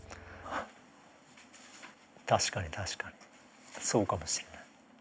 確かに確かにそうかもしれない。